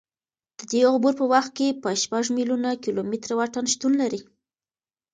د دې عبور په وخت کې به شپږ میلیونه کیلومتره واټن شتون ولري.